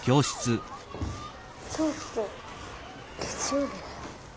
今日って月曜日だよ。